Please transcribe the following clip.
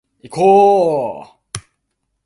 いこーーーーーーぉ